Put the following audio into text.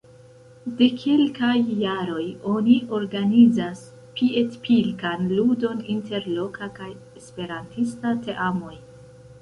De kelkaj jaroj, oni organizas piedpilkan ludon inter loka kaj esperantista teamoj.